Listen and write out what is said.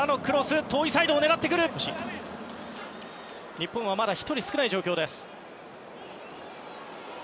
日本はまだ１人少ない状況です。